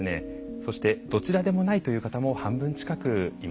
そしてどちらでもないという方も半分近くいました。